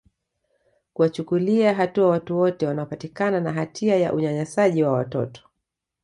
kuwachukulia hatua watu wote wanaopatikana na hatia ya unyanyasaji wa watoto